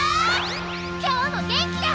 今日も元気だ！